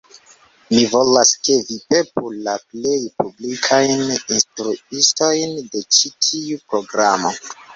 Mi volas, ke vi pepu la plej publikajn instruistojn de ĉi tiu programo